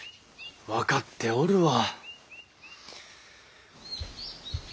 分かっておるわ。